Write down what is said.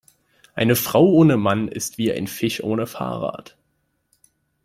Eine Frau ohne Mann ist wie ein Fisch ohne Fahrrad.